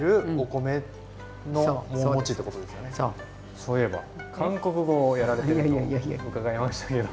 そういえば韓国語をやられてると伺いましたけど。